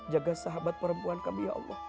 jaga sahabat perempuan kami